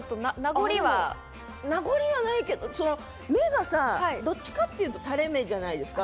名残はないけど、目がどっちかっていうと垂れ目じゃないですか。